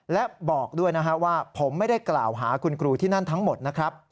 และบอกด้วยนะฮะว่าผมไม่ได้กล่าวหาคุณครูที่นั่นทั้งหมดนะครับ